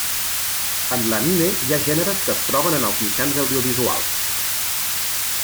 En l'anime hi ha gèneres que es troben en els mitjans audiovisuals.